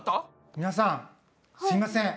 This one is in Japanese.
みなさんすいません。